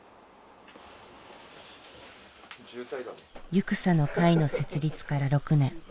ゆくさの会の設立から６年。